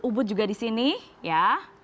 ubud juga di sini ya